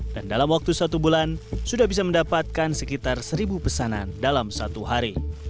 dan dalam waktu satu bulan sudah bisa mendapatkan sekitar seribu pesanan dalam satu hari